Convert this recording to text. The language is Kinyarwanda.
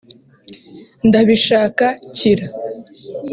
"ndabishaka kira"